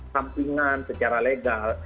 sampingan secara legal